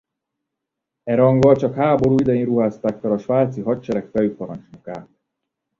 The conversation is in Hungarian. E ranggal csak háború idején ruházták fel a svájci hadsereg főparancsnokát.